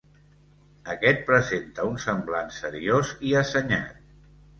Aquest presenta un semblant seriós i assenyat.